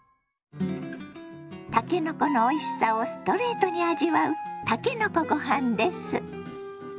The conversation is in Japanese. たけのこのおいしさをストレートに味わうたけのこご飯です。